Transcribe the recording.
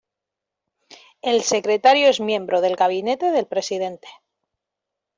El secretario es miembro del gabinete del presidente.